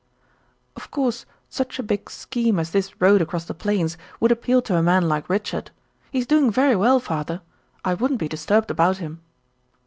"Of course such a big scheme as this road across the plains would appeal to a man like Richard. He's doing very well, father. I wouldn't be disturbed about him."